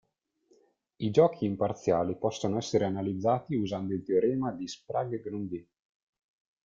I giochi imparziali possono essere analizzati usando il teorema di Sprague-Grundy.